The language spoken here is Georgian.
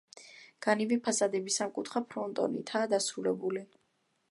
განივი ფასადები სამკუთხა ფრონტონითაა დასრულებული.